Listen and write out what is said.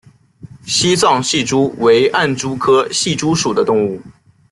西藏隙蛛为暗蛛科隙蛛属的动物。